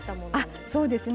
あそうですね。